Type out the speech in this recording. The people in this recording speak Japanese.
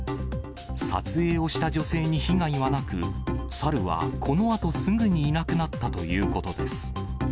撮影をした女性に被害はなく、サルはこのあとすぐにいなくなったということです。